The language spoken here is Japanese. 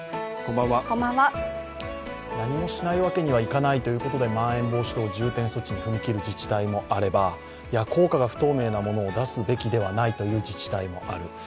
何もしないわけにはいかないということでまん延防止等重点措置に踏み切る自治体もあれば効果が不透明なものを出すべきではないという自治体もある。